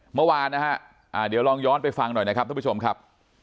เมื่อวานนะฮะเดี๋ยวลองย้อนไปฟังหน่อยนะครับท่านผู้ชมครับ